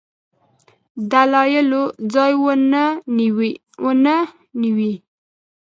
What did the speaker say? دلایلو ځای ونه نیوی.